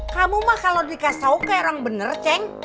kamu mah kalau dikasih tahu kayak orang bener ceng